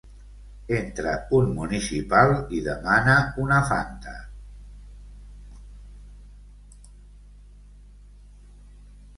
Entra un municipal i demana una fanta.